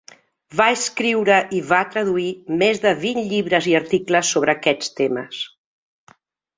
Va escriure i va traduir més de vint llibres i articles sobre aquests temes.